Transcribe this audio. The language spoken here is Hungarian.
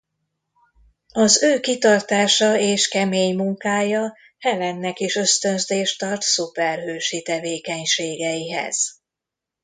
Az ő kitartása és kemény munkája Helennek is ösztönzést ad szuperhősi tevékenységeihez.